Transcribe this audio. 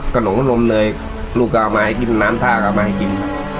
กระหน่งขนมเนยลูกก็เอามาให้กินน้ำทามาให้กิน